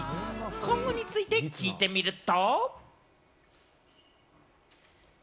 今後について聞いてみると。